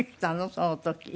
その時。